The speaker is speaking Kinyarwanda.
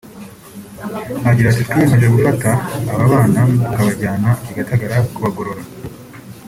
Agira ati “Twiyemeje gufata aba bana tukabajyana i Gitagata kubagorora